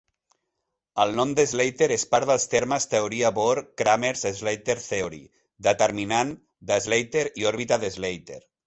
El nom de Slater és part dels termes teoria Bohr-Kramers-Slater theory, determinant de Slater i òrbita de Slater.